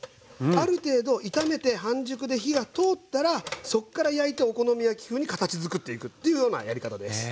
ある程度炒めて半熟で火が通ったらそっから焼いてお好み焼き風に形づくっていくというようなやり方です。